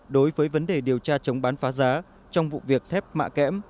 đối với vấn đề điều tra chống bán phá giá trong vụ việc thép mạ kém